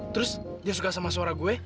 terus dia suka sama suara gue